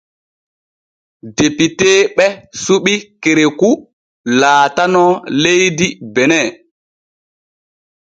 Depiteeɓe suɓi Kerekou laalano leydi Benin.